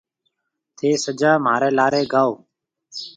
ٿَي سجا مهاريَ لاري لاري گائون